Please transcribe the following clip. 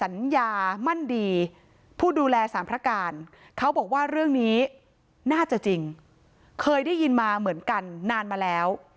รุ่นดูแลสามพระกาลเขาบอกว่าเรื่องนี้น่าจะจริงเคยได้ยินมาเหมือนกันนานม์มาแล้ว